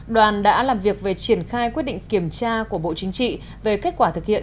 đoàn đã làm việc về triển khai quyết định kiểm tra của bộ chính trị về kết quả thực hiện